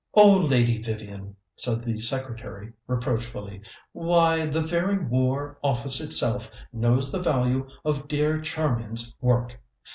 "Oh, Lady Vivian," said the secretary reproachfully. "Why, the very War Office itself knows the value of dear Charmian's work.